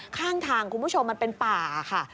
ข้างทางคุณผู้ชมมันเป็นป่าค่ะ